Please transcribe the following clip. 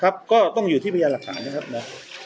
ก็ต้องอยู่ที่พยานหลักฐานนะครับนะ